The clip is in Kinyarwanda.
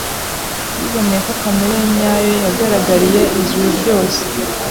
Yiboneye ko kamere ye nyayo yagaragariye ijuru ryose,